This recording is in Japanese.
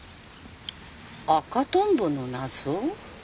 『赤とんぼの謎』？